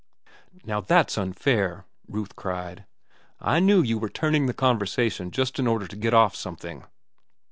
"Now that's unfair," Ruth cried. "I knew you were turning the conversation just in order to get off something."